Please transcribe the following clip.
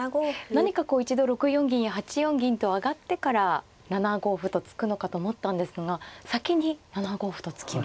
何かこう一度６四銀や８四銀と上がってから７五歩と突くのかと思ったんですが先に７五歩と突きました。